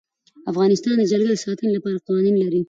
افغانستان د جلګه د ساتنې لپاره قوانین لري.